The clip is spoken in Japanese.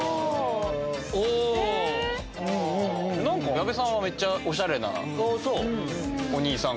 矢部さんはめっちゃおしゃれなお兄さん感。